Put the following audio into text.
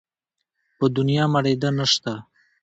په دونيا مړېده نه شته.